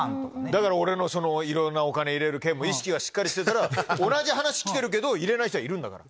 だから俺のいろんなお金入れる件も意識がしっかりしてたら同じ話来てるけど入れない人はいるんだから。